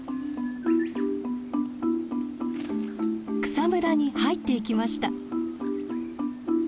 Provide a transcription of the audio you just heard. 草むらに入っていきました。